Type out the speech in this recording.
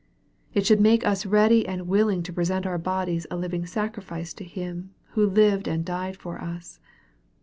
It should make us ready and willing to present our bodies a liv ing sacrifice to Him who lived and died for us.